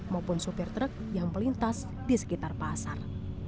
maupun supir truk yang melintas di sekitar pasar